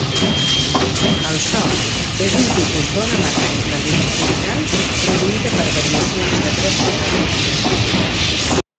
El so és un tipus d'ona mecànica longitudinal produïda per variacions de pressió del medi.